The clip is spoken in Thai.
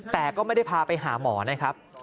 แต่ก็ไม่ได้พาไปหาหมอนะครับ